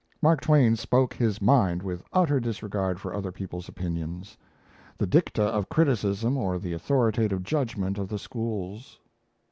Mark Twain spoke his mind with utter disregard for other people's opinions, the dicta of criticism or the authoritative judgment of the schools.